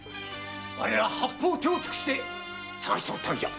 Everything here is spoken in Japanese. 我ら八方手を尽くして捜しておったのじゃ。